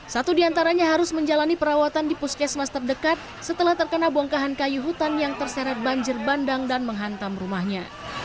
satu diantaranya harus menjalani perawatan di puskesmas terdekat setelah terkena bongkahan kayu hutan yang terseret banjir bandang dan menghantam rumahnya